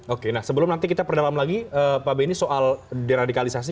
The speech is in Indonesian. oke nah sebelum nanti kita perdalam lagi pak benny soal deradikalisasi